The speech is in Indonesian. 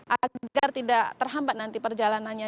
agar tidak terhambat nanti perjalanannya